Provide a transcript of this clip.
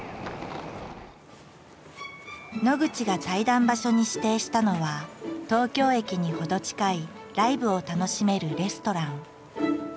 野口が対談場所に指定したのは東京駅に程近いライブを楽しめるレストラン。